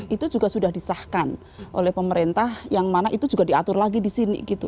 itu juga sudah disahkan oleh pemerintah yang mana itu juga diatur lagi di sini gitu